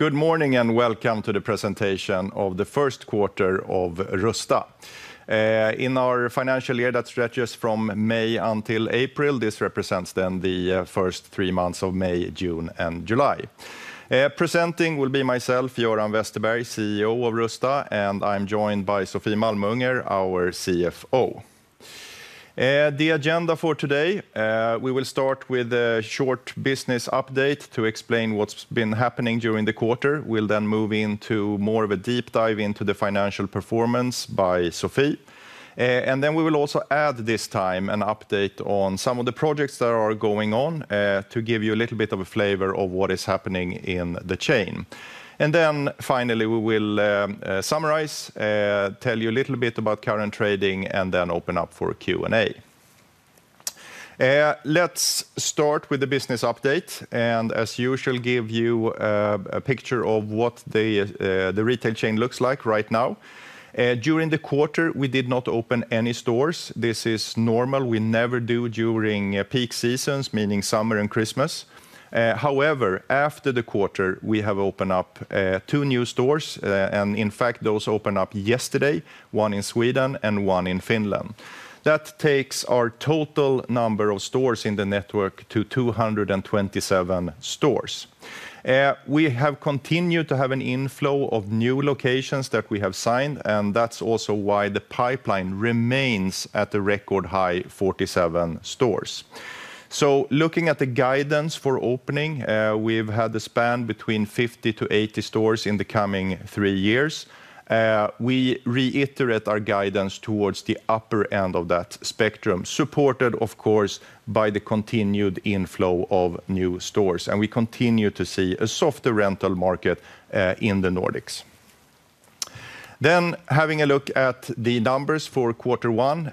Good morning and welcome to the presentation of the first quarter of Rusta. In our financial year that stretches from May until April, this represents the first three months of May, June, and July. Presenting will be myself, Göran Westerberg, CEO of Rusta, and I'm joined by Sofie Malmunger, our CFO. The agenda for today: we will start with a short business update to explain what's been happening during the quarter. We'll then move into more of a deep dive into the financial performance by Sofie. We will also add this time an update on some of the projects that are going on to give you a little bit of a flavor of what is happening in the chain. Finally, we will summarize, tell you a little bit about current trading, and then open up for Q&A. Let's start with the business update and, as usual, give you a picture of what the retail chain looks like right now. During the quarter, we did not open any stores. This is normal. We never do during peak seasons, meaning summer and Christmas. However, after the quarter, we have opened up two new stores. In fact, those opened up yesterday, one in Sweden and one in Finland. That takes our total number of stores in the network to 227 stores. We have continued to have an inflow of new locations that we have signed, and that's also why the pipeline remains at the record high, 47 stores. Looking at the guidance for opening, we've had a span between 50 to 80 stores in the coming three years. We reiterate our guidance towards the upper end of that spectrum, supported, of course, by the continued inflow of new stores. We continue to see a softer rental market in the Nordics. Having a look at the numbers for quarter one,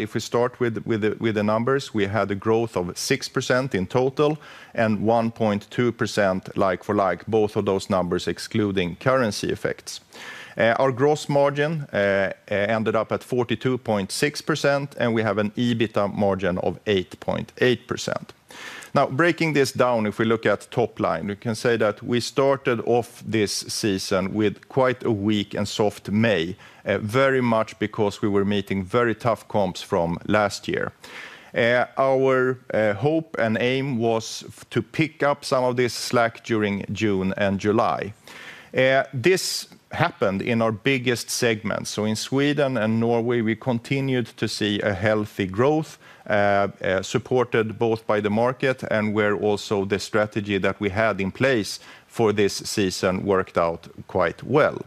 if we start with the numbers, we had a growth of 6% in total and 1.2% like for like, both of those numbers excluding currency effects. Our gross margin ended up at 42.6%, and we have an EBITDA margin of 8.8%. Now, breaking this down, if we look at top line, we can say that we started off this season with quite a weak and soft May, very much because we were meeting very tough comps from last year. Our hope and aim was to pick up some of this slack during June and July. This happened in our biggest segments. In Sweden and Norway, we continued to see a healthy growth, supported both by the market and where also the strategy that we had in place for this season worked out quite well.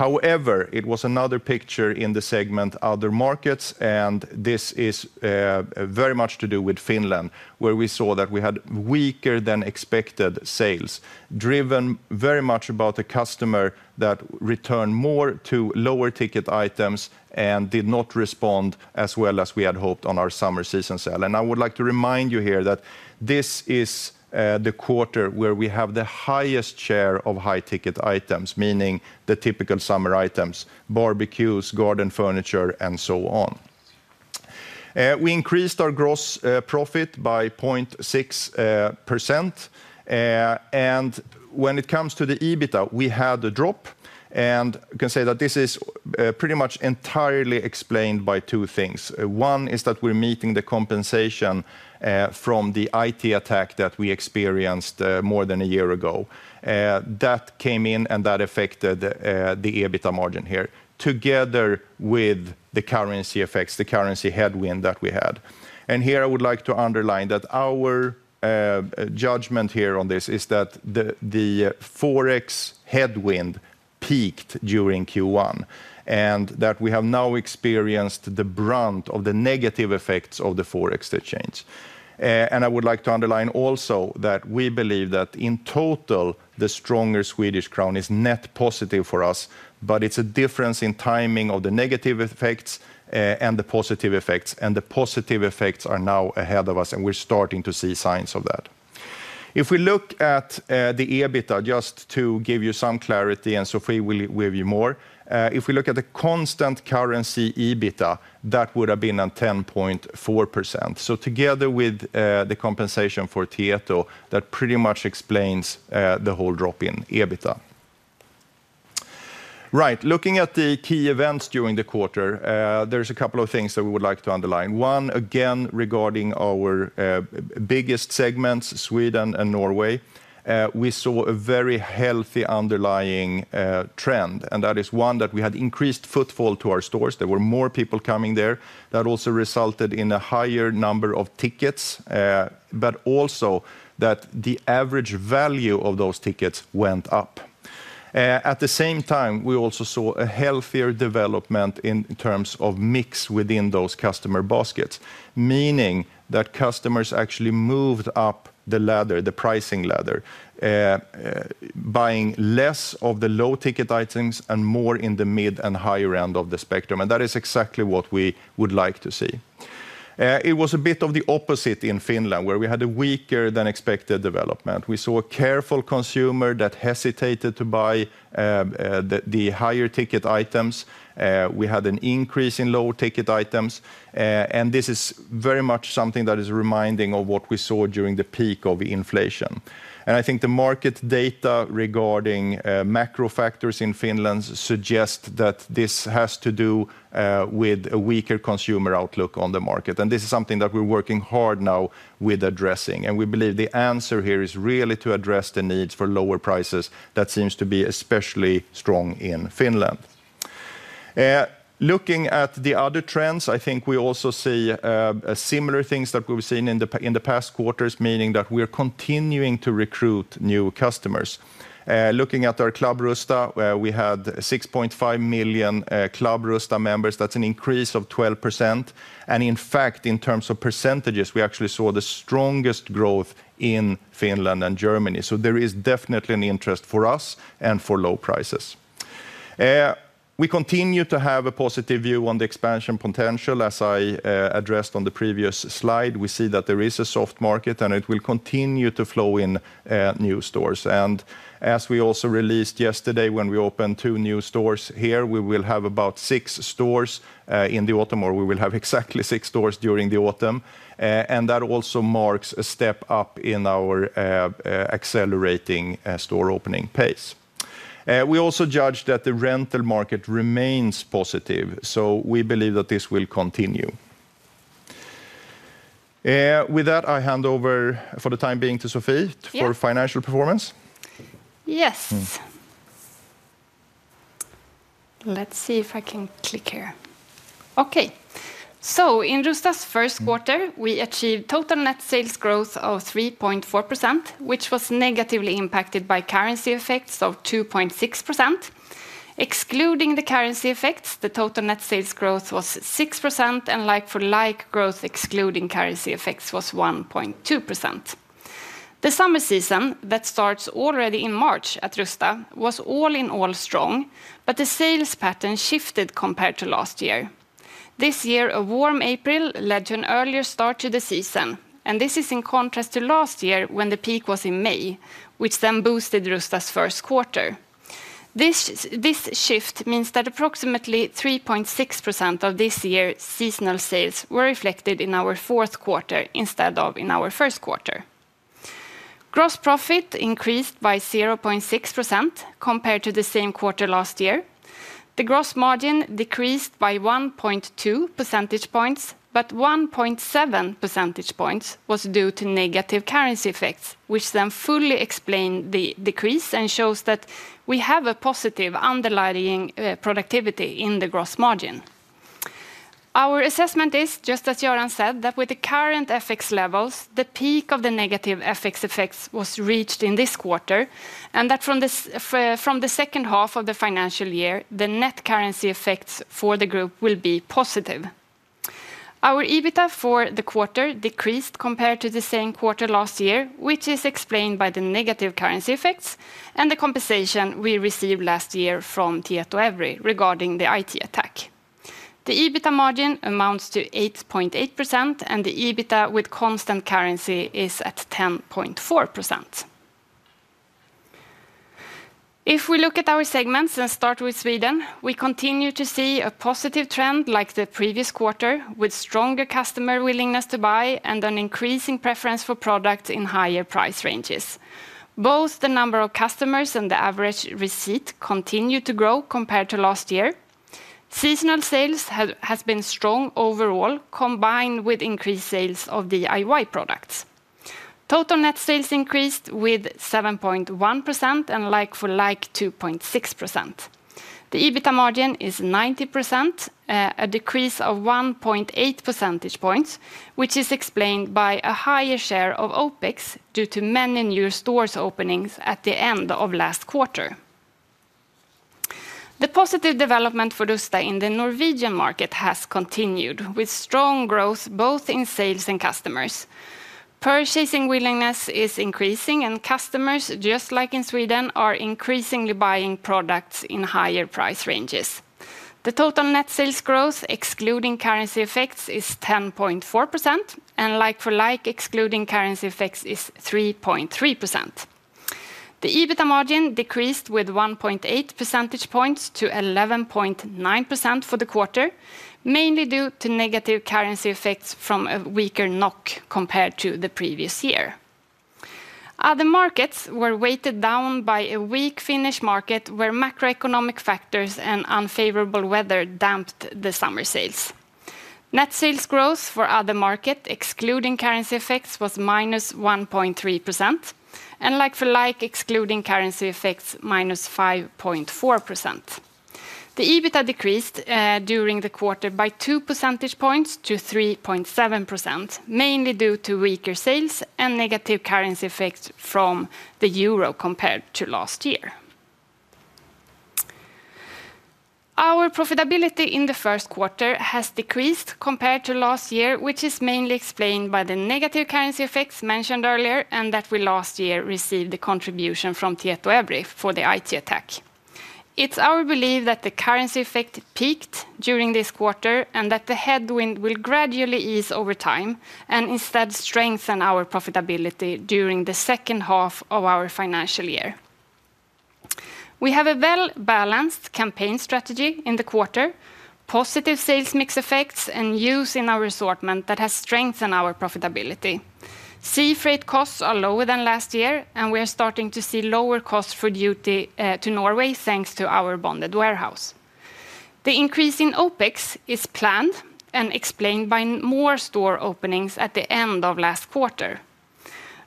However, it was another picture in the segment, other markets, and this is very much to do with Finland, where we saw that we had weaker than expected sales, driven very much by the customer that returned more to lower ticket items and did not respond as well as we had hoped on our summer season sale. I would like to remind you here that this is the quarter where we have the highest share of high ticket items, meaning the typical summer items, barbecues, garden furniture, and so on. We increased our gross profit by 0.6%. When it comes to the EBITDA, we had a drop. You can say that this is pretty much entirely explained by two things. One is that we're meeting the compensation from the IT attack that we experienced more than a year ago. That came in and that affected the EBITDA margin here, together with the currency effects, the currency headwind that we had. I would like to underline that our judgment here on this is that the FX headwind peaked during Q1 and that we have now experienced the brunt of the negative effects of the foreign exchange. I would like to underline also that we believe that in total, the stronger Swedish crown is net positive for us, but it's a difference in timing of the negative effects and the positive effects. The positive effects are now ahead of us, and we're starting to see signs of that. If we look at the EBITDA, just to give you some clarity, and Sofie will give you more, if we look at the constant currency EBITDA, that would have been at 10.4%. Together with the compensation for Tieto, that pretty much explains the whole drop in EBITDA. Right, looking at the key events during the quarter, there's a couple of things that we would like to underline. One, again, regarding our biggest segments, Sweden and Norway, we saw a very healthy underlying trend, and that is one that we had increased footfall to our stores. There were more people coming there. That also resulted in a higher number of tickets, but also that the average value of those tickets went up. At the same time, we also saw a healthier development in terms of mix within those customer baskets, meaning that customers actually moved up the ladder, the pricing ladder, buying less of the low ticket items and more in the mid and higher end of the spectrum. That is exactly what we would like to see. It was a bit of the opposite in Finland, where we had a weaker than expected development. We saw a careful consumer that hesitated to buy the higher ticket items. We had an increase in low ticket items. This is very much something that is reminding of what we saw during the peak of inflation. I think the market data regarding macro factors in Finland suggests that this has to do with a weaker consumer outlook on the market. This is something that we're working hard now with addressing. We believe the answer here is really to address the needs for lower prices that seem to be especially strong in Finland. Looking at the other trends, I think we also see similar things that we've seen in the past quarters, meaning that we're continuing to recruit new customers. Looking at our Club Rusta, we had 6.5 million Club Rusta members. That's an increase of 12%. In fact, in terms of percentages, we actually saw the strongest growth in Finland and Germany. There is definitely an interest for us and for low prices. We continue to have a positive view on the expansion potential. As I addressed on the previous slide, we see that there is a soft market and it will continue to flow in new stores. As we also released yesterday when we opened two new stores here, we will have about six stores in the autumn, or we will have exactly six stores during the autumn. That also marks a step up in our accelerating store opening pace. We also judge that the rental market remains positive. We believe that this will continue. With that, I hand over for the time being to Sofie for financial performance. Yes. Let's see if I can click here. Okay. In Rusta's first quarter, we achieved total net sales growth of 3.4%, which was negatively impacted by currency effects of 2.6%. Excluding the currency effects, the total net sales growth was 6%, and like-for-like growth, excluding currency effects, was 1.2%. The summer season that starts already in March at Rusta was all in all strong, but the sales pattern shifted compared to last year. This year, a warm April led to an earlier start to the season. This is in contrast to last year when the peak was in May, which then boosted Rusta's first quarter. This shift means that approximately 3.6% of this year's seasonal sales were reflected in our fourth quarter instead of in our first quarter. Gross profit increased by 0.6% compared to the same quarter last year. The gross margin decreased by 1.2 percentage points, but 1.7 percentage points was due to negative currency effects, which then fully explains the decrease and shows that we have a positive underlying productivity in the gross margin. Our assessment is, just as Göran Westerberg said, that with the current FX levels, the peak of the negative FX effects was reached in this quarter and that from the second half of the financial year, the net currency effects for the group will be positive. Our EBITDA for the quarter decreased compared to the same quarter last year, which is explained by the negative currency effects and the compensation we received last year from Tieto Every regarding the IT attack. The EBITDA margin amounts to 8.8%, and the EBITDA with constant currency is at 10.4%. If we look at our segments and start with Sweden, we continue to see a positive trend like the previous quarter with stronger customer willingness to buy and an increasing preference for products in higher price ranges. Both the number of customers and the average receipt continue to grow compared to last year. Seasonal sales have been strong overall, combined with increased sales of DIY products. Total net sales increased with 7.1% and like-for-like 2.6%. The EBITDA margin is 9.0%, a decrease of 1.8 percentage points, which is explained by a higher share of OPEX due to many new stores opening at the end of last quarter. The positive development for Rusta in the Norwegian market has continued with strong growth both in sales and customers. Purchasing willingness is increasing, and customers, just like in Sweden, are increasingly buying products in higher price ranges. The total net sales growth, excluding currency effects, is 10.4%, and like for like, excluding currency effects, is 3.3%. The EBITDA margin decreased with 1.8 percentage points to 11.9% for the quarter, mainly due to negative currency effects from a weaker NOK compared to the previous year. Other markets were weighted down by a weak Finnish market where macroeconomic factors and unfavorable weather damped the summer sales. Net sales growth for other markets, excluding currency effects, was minus 1.3%, and like for like, excluding currency effects, minus 5.4%. The EBITDA decreased during the quarter by two percentage points to 3.7%, mainly due to weaker sales and negative currency effects from the euro compared to last year. Our profitability in the first quarter has decreased compared to last year, which is mainly explained by the negative currency effects mentioned earlier and that we last year received the contribution from Tieto Every for the IT attack. It’s our belief that the currency effect peaked during this quarter and that the headwind will gradually ease over time and instead strengthen our profitability during the second half of our financial year. We have a well-balanced campaign strategy in the quarter, positive sales mix effects, and use in our assortment that has strengthened our profitability. Sea freight costs are lower than last year, and we are starting to see lower costs for duty to Norway thanks to our bonded warehouse. The increase in OPEX is planned and explained by more store openings at the end of last quarter.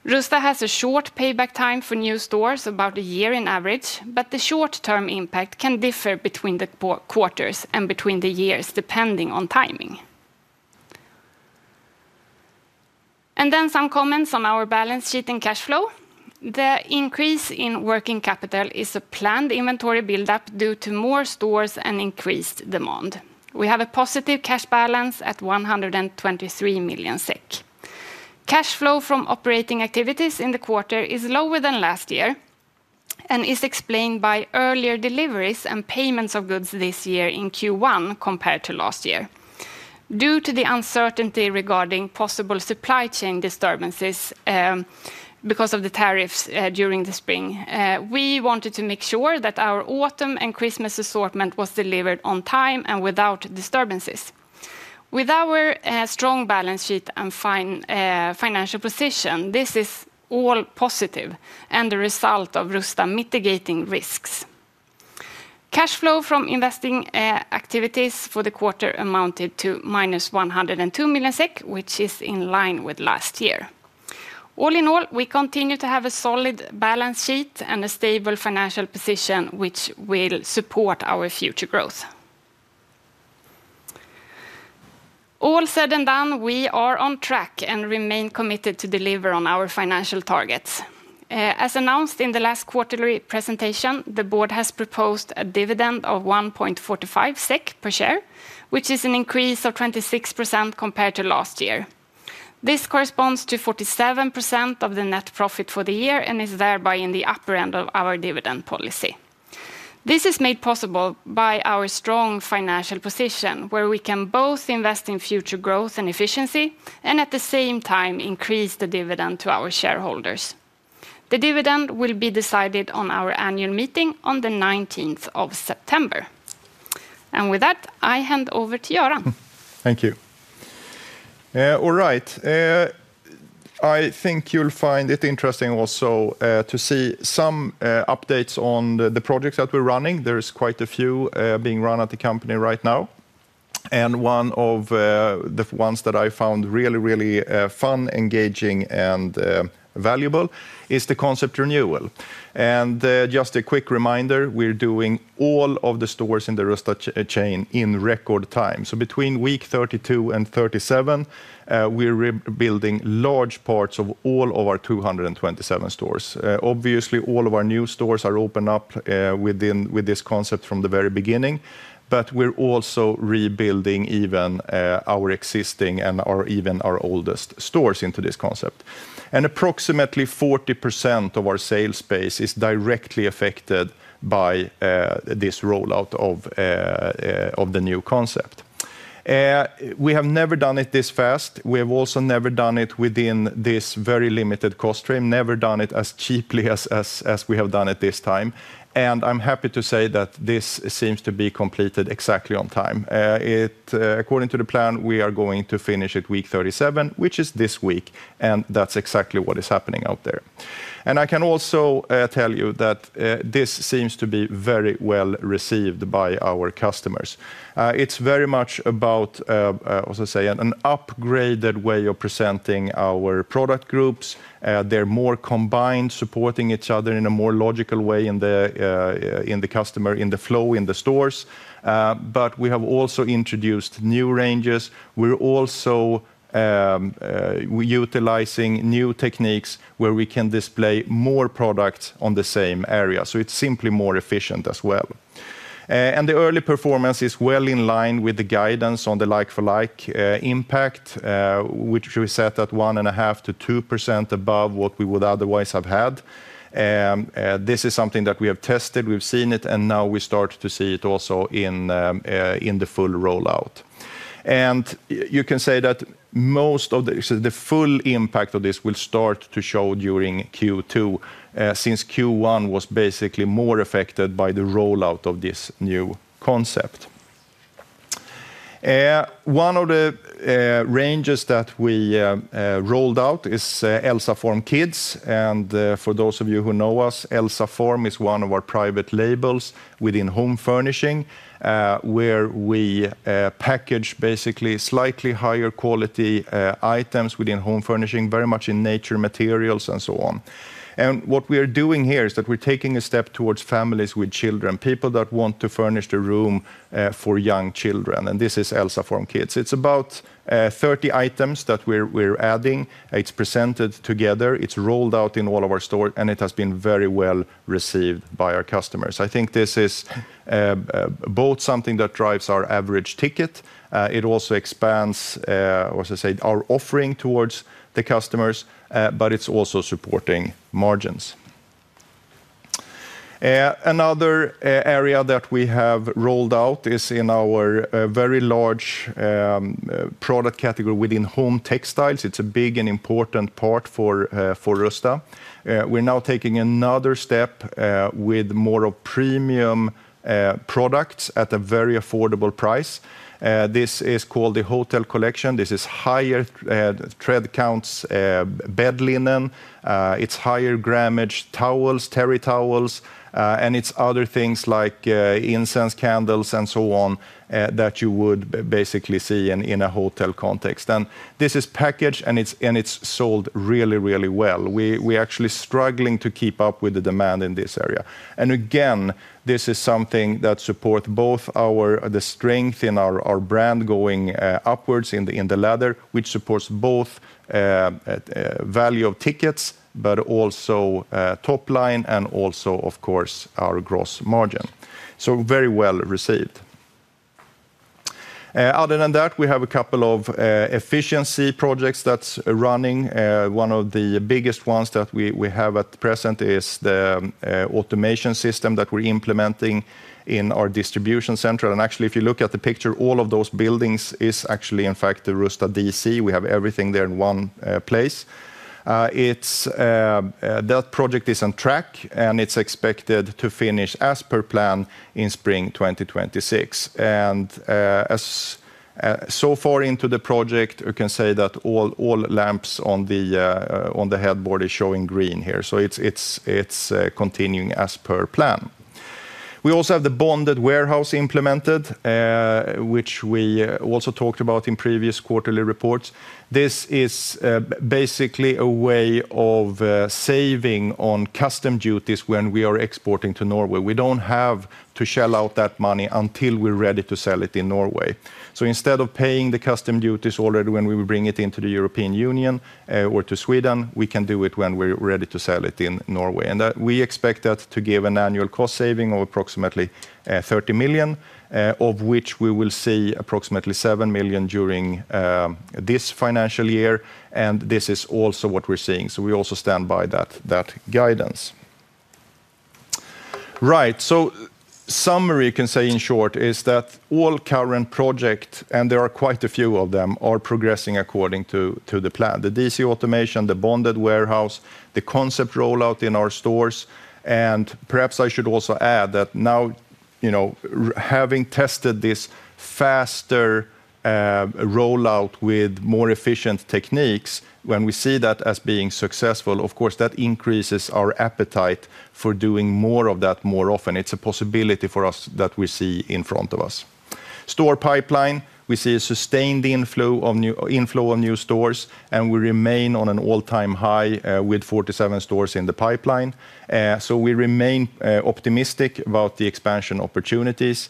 Rusta has a short payback time for new stores, about a year in average, but the short-term impact can differ between the quarters and between the years, depending on timing. There are some comments on our balance sheet and cash flow. The increase in working capital is a planned inventory buildup due to more stores and increased demand. We have a positive cash balance at 123 million SEK. Cash flow from operating activities in the quarter is lower than last year and is explained by earlier deliveries and payments of goods this year in Q1 compared to last year. Due to the uncertainty regarding possible supply chain disturbances because of the tariffs during the spring, we wanted to make sure that our autumn and Christmas assortment was delivered on time and without disturbances. With our strong balance sheet and fine financial position, this is all positive and the result of Rusta mitigating risks. Cash flow from investing activities for the quarter amounted to -102 million SEK, which is in line with last year. All in all, we continue to have a solid balance sheet and a stable financial position, which will support our future growth. All said and done, we are on track and remain committed to deliver on our financial targets. As announced in the last quarterly presentation, the board has proposed a dividend of 1.45 SEK per share, which is an increase of 26% compared to last year. This corresponds to 47% of the net profit for the year and is thereby in the upper end of our dividend policy. This is made possible by our strong financial position, where we can both invest in future growth and efficiency and at the same time increase the dividend to our shareholders. The dividend will be decided on our annual meeting on the 19th of September. With that, I hand over to Göran. Thank you. All right. I think you'll find it interesting also to see some updates on the projects that we're running. There's quite a few being run at the company right now. One of the ones that I found really, really fun, engaging, and valuable is the concept renewal. Just a quick reminder, we're doing all of the stores in the Rusta chain in record time. Between week 32 and 37, we're rebuilding large parts of all of our 227 stores. Obviously, all of our new stores are opened up with this concept from the very beginning, but we're also rebuilding even our existing and even our oldest stores into this concept. Approximately 40% of our sales space is directly affected by this rollout of the new concept. We have never done it this fast. We have also never done it within this very limited cost frame, never done it as cheaply as we have done it this time. I'm happy to say that this seems to be completed exactly on time. According to the plan, we are going to finish it week 37, which is this week, and that's exactly what is happening out there. I can also tell you that this seems to be very well received by our customers. It's very much about, as I say, an upgraded way of presenting our product groups. They're more combined, supporting each other in a more logical way in the customer, in the flow, in the stores. We have also introduced new ranges. We're also utilizing new techniques where we can display more products on the same area. It's simply more efficient as well. The early performance is well in line with the guidance on the like-for-like impact, which we set at 1.5% to 2% above what we would otherwise have had. This is something that we have tested. We've seen it, and now we start to see it also in the full rollout. You can say that most of the full impact of this will start to show during Q2, since Q1 was basically more affected by the rollout of this new concept. One of the ranges that we rolled out is Elsa Form Kids. For those of you who know us, Elsa Form is one of our private labels within home furnishing, where we package basically slightly higher quality items within home furnishing, very much in nature materials and so on. What we are doing here is that we're taking a step towards families with children, people that want to furnish the room for young children. This is Elsa Form Kids. It's about 30 items that we're adding. It's presented together. It's rolled out in all of our stores, and it has been very well received by our customers. I think this is both something that drives our average ticket. It also expands, as I say, our offering towards the customers, but it's also supporting margins. Another area that we have rolled out is in our very large product category within home textiles. It's a big and important part for Rusta. We're now taking another step with more of premium products at a very affordable price. This is called the Hotel Collection. This is higher thread counts, bed linen. It's higher grammage towels, terry towels, and it's other things like incense candles and so on that you would basically see in a hotel context. This is packaged, and it's sold really, really well. We're actually struggling to keep up with the demand in this area. This is something that supports both the strength in our brand going upwards in the ladder, which supports both value of tickets, but also top line and also, of course, our gross margin. Very well received. Other than that, we have a couple of efficiency projects that's running. One of the biggest ones that we have at present is the automation system that we're implementing in our distribution center. If you look at the picture, all of those buildings are actually, in fact, the Rusta DC. We have everything there in one place. That project is on track, and it's expected to finish as per plan in spring 2026. So far into the project, we can say that all lamps on the headboard are showing green here. It's continuing as per plan. We also have the bonded warehouse implemented, which we also talked about in previous quarterly reports. This is basically a way of saving on custom duties when we are exporting to Norway. We don't have to shell out that money until we're ready to sell it in Norway. Instead of paying the custom duties already when we bring it into the European Union or to Sweden, we can do it when we're ready to sell it in Norway. We expect that to give an annual cost saving of approximately 30 million, of which we will see approximately 7 million during this financial year. This is also what we're seeing. We also stand by that guidance. Right. Summary, you can say in short, is that all current projects, and there are quite a few of them, are progressing according to the plan. The DC automation, the bonded warehouse, the concept rollout in our stores. Perhaps I should also add that now, you know, having tested this faster rollout with more efficient techniques, when we see that as being successful, of course, that increases our appetite for doing more of that more often. It's a possibility for us that we see in front of us. Store pipeline, we see a sustained inflow of new stores, and we remain on an all-time high with 47 stores in the pipeline. We remain optimistic about the expansion opportunities.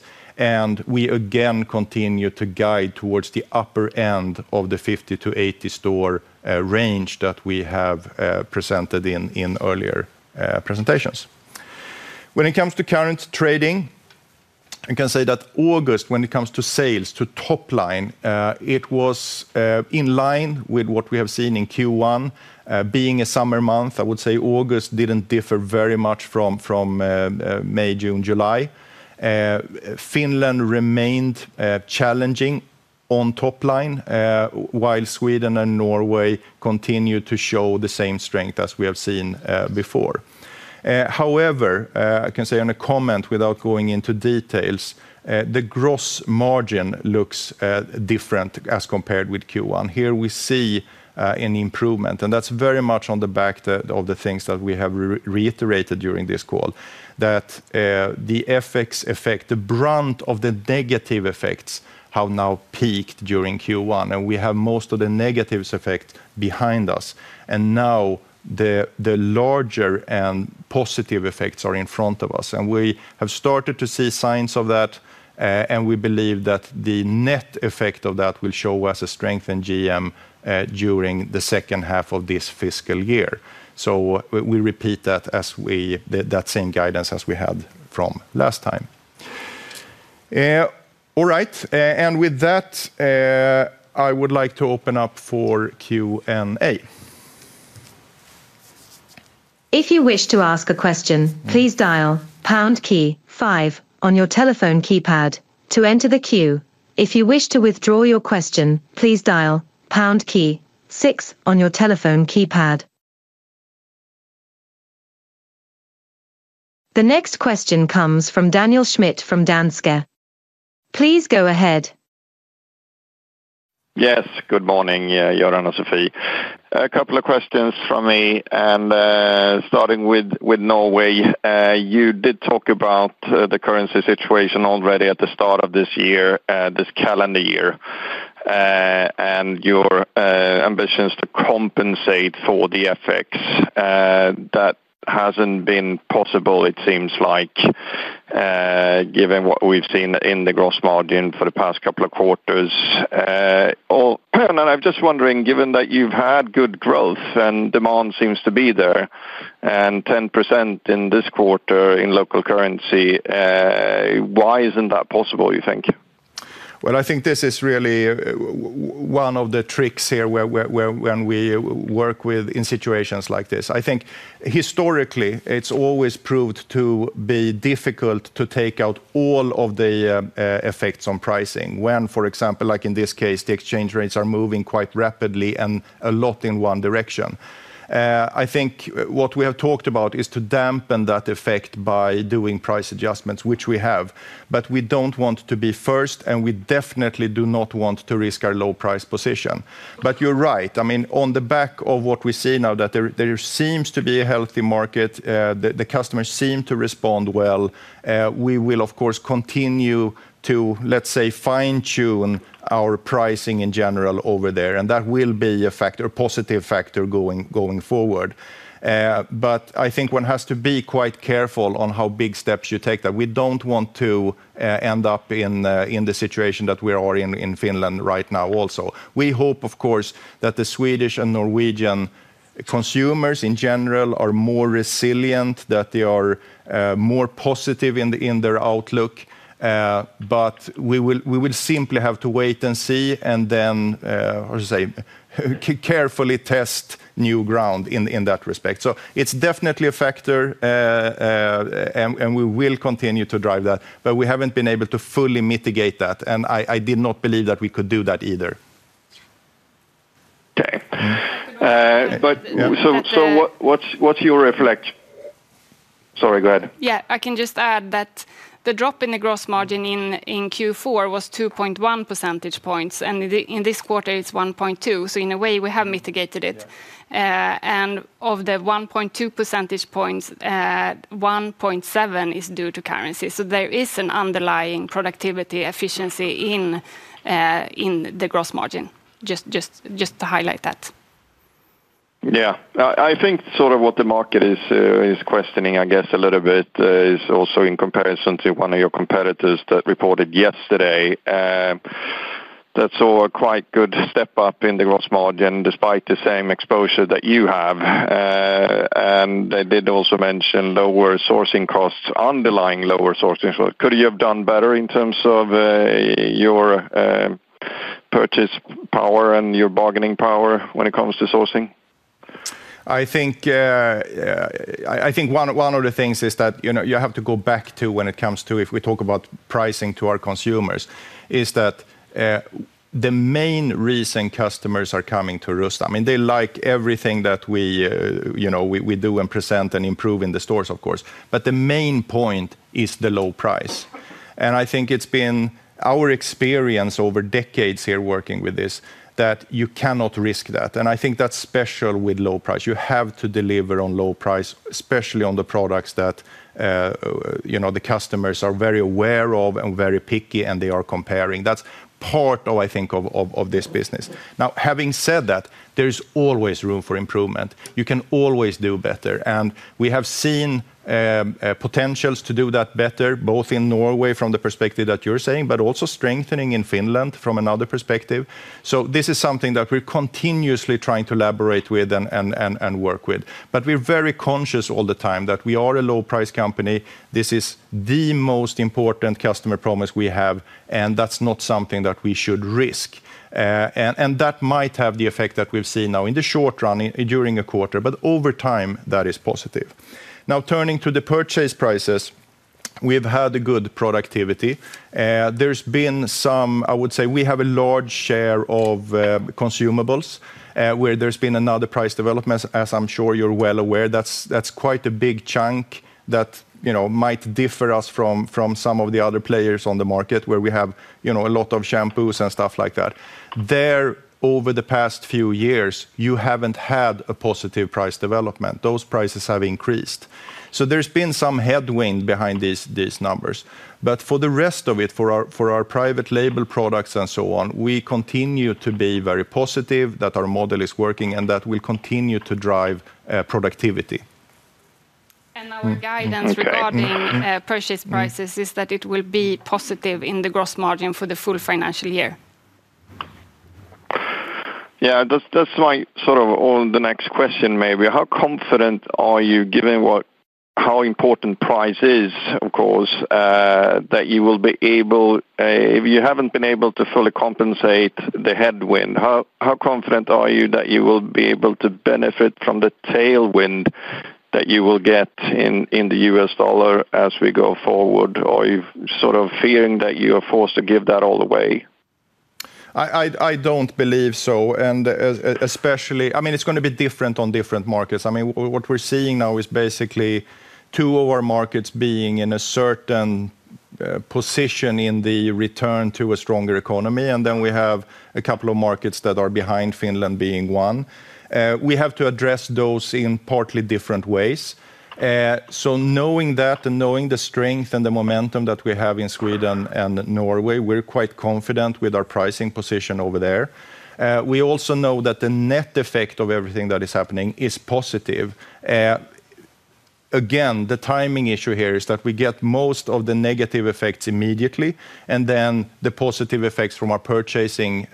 We again continue to guide towards the upper end of the 50 to 80 store range that we have presented in earlier presentations. When it comes to current trading, I can say that August, when it comes to sales to top line, it was in line with what we have seen in Q1. Being a summer month, I would say August didn't differ very much from May, June, July. Finland remained challenging on top line, while Sweden and Norway continue to show the same strength as we have seen before. However, I can say in a comment without going into details, the gross margin looks different as compared with Q1. Here we see an improvement. That's very much on the back of the things that we have reiterated during this call, that the FX effect, the brunt of the negative effects have now peaked during Q1. We have most of the negative effects behind us. Now the larger and positive effects are in front of us. We have started to see signs of that. We believe that the net effect of that will show us a strength in GM during the second half of this fiscal year. We repeat that same guidance as we had from last time. All right. With that, I would like to open up for Q&A. If you wish to ask a question, please dial pound key five on your telephone keypad to enter the queue. If you wish to withdraw your question, please dial pound key six on your telephone keypad. The next question comes from Daniel Schmidt from Danske. Please go ahead. Yes, good morning, Göran and Sofie. A couple of questions from me. Starting with Norway, you did talk about the currency situation already at the start of this year, this calendar year, and your ambitions to compensate for the FX. That hasn't been possible, it seems like, given what we've seen in the gross margin for the past couple of quarters. I'm just wondering, given that you've had good growth and demand seems to be there, and 10% in this quarter in local currency, why isn't that possible, you think? I think this is really one of the tricks here when we work in situations like this. Historically, it's always proved to be difficult to take out all of the effects on pricing when, for example, like in this case, the exchange rates are moving quite rapidly and a lot in one direction. What we have talked about is to dampen that effect by doing price adjustments, which we have. We don't want to be first, and we definitely do not want to risk our low price position. You're right. On the back of what we see now, that there seems to be a healthy market, the customers seem to respond well. We will, of course, continue to, let's say, fine-tune our pricing in general over there. That will be a positive factor going forward. I think one has to be quite careful on how big steps you take, that we don't want to end up in the situation that we are in Finland right now also. We hope, of course, that the Swedish and Norwegian consumers in general are more resilient, that they are more positive in their outlook. We will simply have to wait and see, and then, as I say, carefully test new ground in that respect. It's definitely a factor, and we will continue to drive that. We haven't been able to fully mitigate that. I did not believe that we could do that either. Okay. What's your reflection? Sorry, go ahead. I can just add that the drop in the gross margin in Q4 was 2.1 percentage points, and in this quarter, it's 1.2%. In a way, we have mitigated it. Of the 1.2 percentage points, 1.7% is due to currency. There is an underlying productivity efficiency in the gross margin, just to highlight that. Yeah, I think what the market is questioning, I guess, a little bit is also in comparison to one of your competitors that reported yesterday that saw a quite good step up in the gross margin despite the same exposure that you have. They did also mention lower sourcing costs, underlying lower sourcing costs. Could you have done better in terms of your purchase power and your bargaining power when it comes to sourcing? I think one of the things is that you have to go back to when it comes to, if we talk about pricing to our consumers, the main reason customers are coming to Rusta. I mean, they like everything that we do and present and improve in the stores, of course. The main point is the low price. I think it's been our experience over decades here working with this that you cannot risk that. I think that's special with low price. You have to deliver on low price, especially on the products that the customers are very aware of and very picky, and they are comparing. That's part of, I think, of this business. Having said that, there is always room for improvement. You can always do better. We have seen potentials to do that better, both in Norway from the perspective that you're saying, but also strengthening in Finland from another perspective. This is something that we're continuously trying to elaborate with and work with. We're very conscious all the time that we are a low-price company. This is the most important customer promise we have, and that's not something that we should risk. That might have the effect that we've seen now in the short run during a quarter, but over time, that is positive. Now, turning to the purchase prices, we've had a good productivity. There's been some, I would say, we have a large share of consumables where there's been another price development, as I'm sure you're well aware. That's quite a big chunk that might differ us from some of the other players on the market where we have a lot of shampoos and stuff like that. There, over the past few years, you haven't had a positive price development. Those prices have increased. There's been some headwind behind these numbers. For the rest of it, for our private label products and so on, we continue to be very positive that our model is working and that we continue to drive productivity. Our guidance regarding purchase prices is that it will be positive in the gross margin for the full financial year. Yeah, that's my sort of all the next question maybe. How confident are you, given how important price is, of course, that you will be able, if you haven't been able to fully compensate the headwind, how confident are you that you will be able to benefit from the tailwind that you will get in the U.S. dollar as we go forward, or are you sort of fearing that you are forced to give that all away? I don't believe so. Especially, I mean, it's going to be different on different markets. What we're seeing now is basically two of our markets being in a certain position in the return to a stronger economy. Then we have a couple of markets that are behind, Finland being one. We have to address those in partly different ways. Knowing that and knowing the strength and the momentum that we have in Sweden and Norway, we're quite confident with our pricing position over there. We also know that the net effect of everything that is happening is positive. Again, the timing issue here is that we get most of the negative effects immediately, and then the positive effects from our purchasing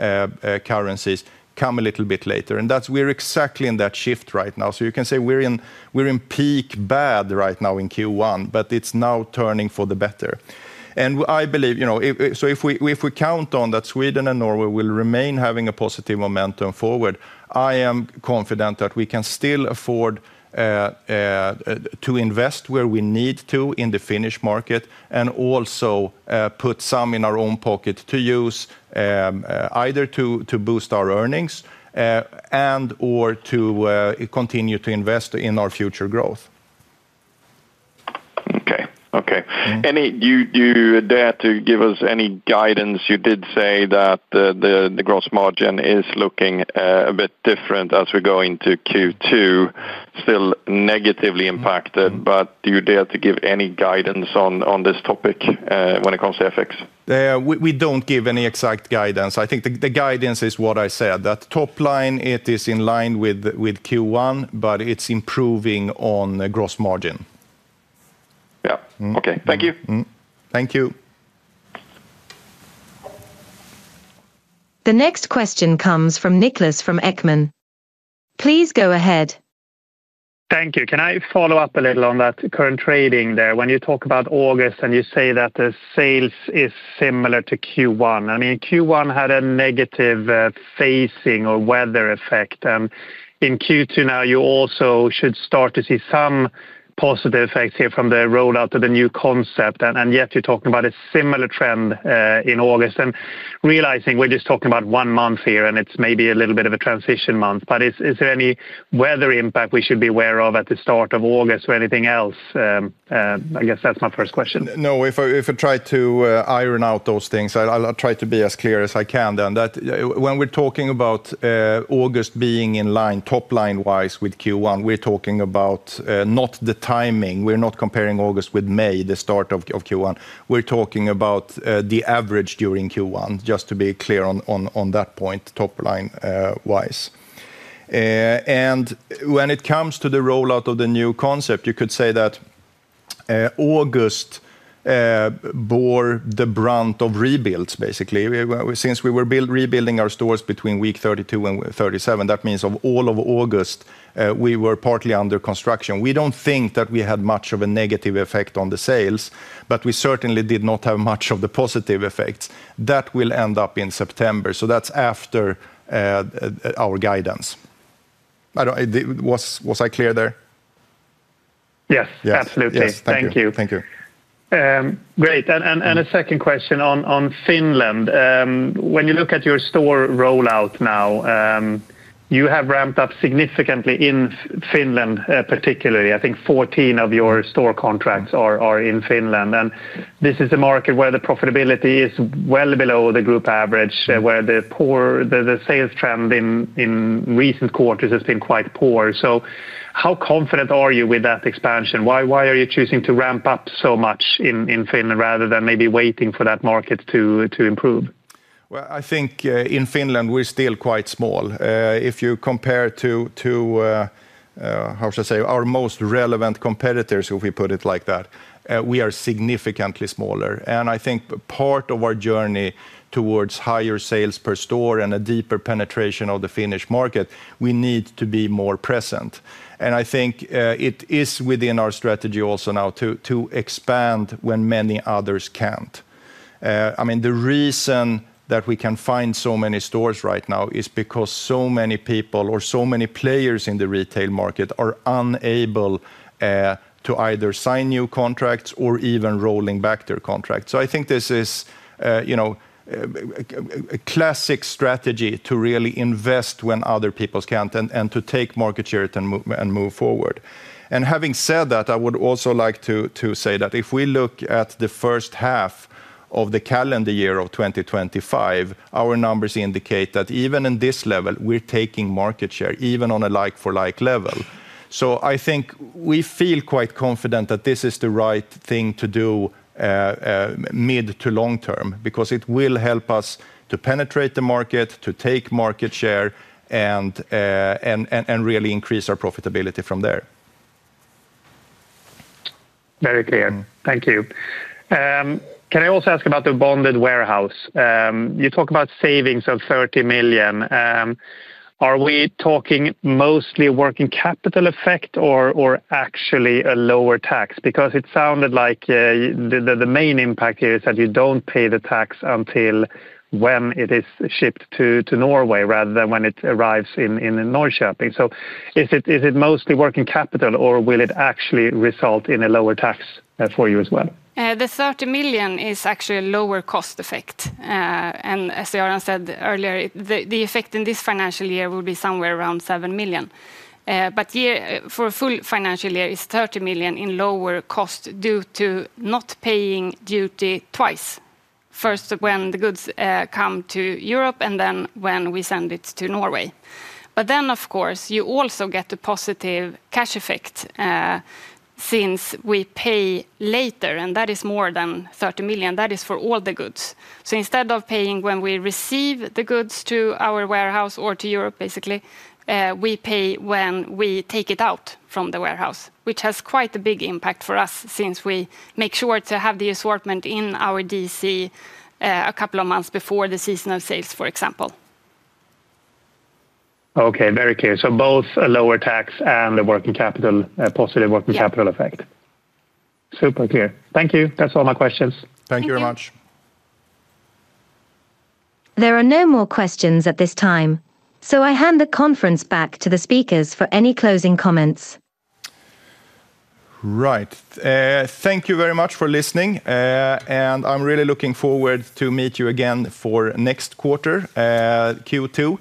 currencies come a little bit later. We're exactly in that shift right now. You can say we're in peak bad right now in Q1, but it's now turning for the better. I believe, you know, if we count on that Sweden and Norway will remain having a positive momentum forward, I am confident that we can still afford to invest where we need to in the Finnish market and also put some in our own pocket to use either to boost our earnings and/or to continue to invest in our future growth. Okay. Okay. Any. Do you dare to give us any guidance? You did say that the gross margin is looking a bit different as we go into Q2, still negatively impacted. Do you dare to give any guidance on this topic when it comes to FX? We don't give any exact guidance. I think the guidance is what I said, that top line, it is in line with Q1, but it's improving on gross margin. Yeah. Okay. Thank you. Thank you. The next question comes from Nicholas from Ekman. Please go ahead. Thank you. Can I follow up a little on that current trading there? When you talk about August and you say that the sales are similar to Q1, I mean, Q1 had a negative phasing or weather effect. In Q2 now, you also should start to see some positive effects here from the rollout of the new concept. Yet you're talking about a similar trend in August. Realizing we're just talking about one month here and it's maybe a little bit of a transition month. Is there any weather impact we should be aware of at the start of August or anything else? I guess that's my first question. No, if I try to iron out those things, I'll try to be as clear as I can then. When we're talking about August being in line top line wise with Q1, we're talking about not the timing. We're not comparing August with May, the start of Q1. We're talking about the average during Q1, just to be clear on that point top line wise. When it comes to the rollout of the new concept, you could say that August bore the brunt of rebuilds, basically. Since we were rebuilding our stores between week 32 and 37, that means all of August, we were partly under construction. We don't think that we had much of a negative effect on the sales, but we certainly did not have much of the positive effects that will end up in September. That's after our guidance. Was I clear there? Yes, absolutely. Thank you. Great. A second question on Finland. When you look at your store rollout now, you have ramped up significantly in Finland, particularly. I think 14 of your store contracts are in Finland. This is a market where the profitability is well below the group average, where the sales trend in recent quarters has been quite poor. How confident are you with that expansion? Why are you choosing to ramp up so much in Finland rather than maybe waiting for that market to improve? In Finland, we're still quite small. If you compare to, how should I say, our most relevant competitors, if we put it like that, we are significantly smaller. I think part of our journey towards higher sales per store and a deeper penetration of the Finnish market, we need to be more present. I think it is within our strategy also now to expand when many others can't. The reason that we can find so many stores right now is because so many people or so many players in the retail market are unable to either sign new contracts or even rolling back their contracts. I think this is a classic strategy to really invest when other people can't and to take market share and move forward. Having said that, I would also like to say that if we look at the first half of the calendar year of 2025, our numbers indicate that even at this level, we're taking market share, even on a like-for-like level. I think we feel quite confident that this is the right thing to do mid to long term because it will help us to penetrate the market, to take market share, and really increase our profitability from there. Very clear. Thank you. Can I also ask about the bonded warehouse? You talk about savings of $30 million. Are we talking mostly working capital effect or actually a lower tax? It sounded like the main impact here is that you don't pay the tax until it is shipped to Norway rather than when it arrives in Norrköping. Is it mostly working capital or will it actually result in a lower tax for you as well? The 30 million is actually a lower cost effect. As Göran Westerberg said earlier, the effect in this financial year will be somewhere around 7 million. For a full financial year, it's 30 million in lower cost due to not paying duty twice, first when the goods come to Europe and then when we send it to Norway. Of course, you also get a positive cash effect since we pay later, and that is more than 30 million. That is for all the goods. Instead of paying when we receive the goods to our warehouse or to Europe, basically, we pay when we take it out from the warehouse, which has quite a big impact for us since we make sure to have the assortment in our DC a couple of months before the seasonal sales, for example. Okay, very clear. Both a lower tax and a positive working capital effect. Super clear. Thank you. That's all my questions. Thank you very much. There are no more questions at this time, so I hand the conference back to the speakers for any closing comments. Right. Thank you very much for listening, and I'm really looking forward to meeting you again for next quarter, Q2,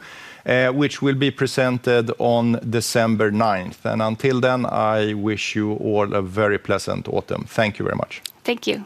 which will be presented on December 9. Until then, I wish you all a very pleasant autumn. Thank you very much. Thank you.